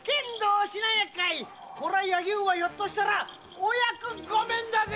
こりゃあ柳生はひょっとしたらお役御免だぜ！